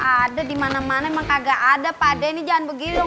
ada di mana mana enggak ada pada ini jangan begitu